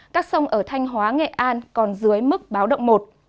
các sông ở thanh hóa nghệ an còn dưới mức báo động một